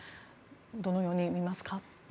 どのようにみますか。